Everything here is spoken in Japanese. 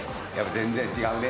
全然違うね。